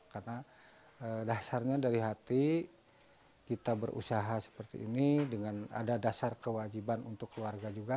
karena dasarnya dari hati kita berusaha seperti ini dengan ada dasar kewajiban untuk keluarga juga